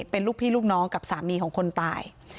เป็นลูกพี่ลูกน้องกับสามีของคนตาย